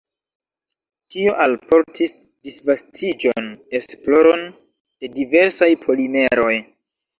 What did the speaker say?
Tio alportis disvastiĝon, esploron de diversaj polimeroj.